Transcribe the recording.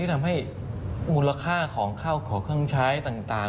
ทำให้มูลค่าของเข้าของเครื่องใช้ต่าง